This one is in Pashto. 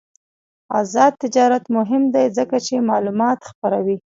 آزاد تجارت مهم دی ځکه چې معلومات خپروي.